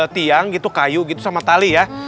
tiang gitu kayu gitu sama tali ya